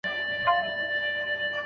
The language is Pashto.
د باسواده نجلۍ ارزښت باید کم ونه ګڼل سي.